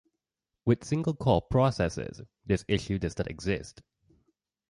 With single core processors, this issue does not exist.